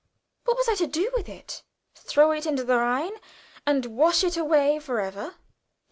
What was I to do with it? Throw it into the Rhine, and wash it away forever?